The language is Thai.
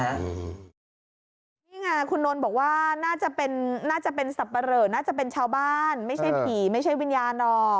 นี่ไงคุณนนท์บอกว่าน่าจะเป็นน่าจะเป็นสับปะเหลอน่าจะเป็นชาวบ้านไม่ใช่ผีไม่ใช่วิญญาณหรอก